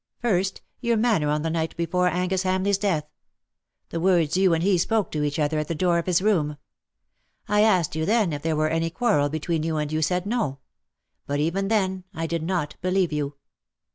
First, your manner on the night before Angus Hamleigh's death — the words you and he spoke to each other at the door of his room. I asked you then if there were any quarrel between you, and you said no : but even then I did not believe you.''